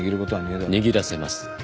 握らせます。